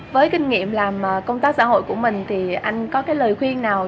với kinh nghiệm làm công tác xã hội của mình thì anh có cái lời khuyên nào